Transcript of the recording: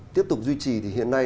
tiếp tục duy trì thì hiện nay